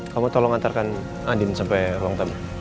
kamu tolong antarkan adin sampai ruang tamu